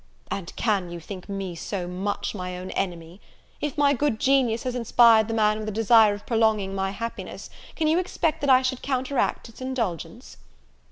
"And can you think me so much my own enemy? if my good genius has inspired the man with a desire of prolonging my happiness, can you expect that I should counteract its indulgence?"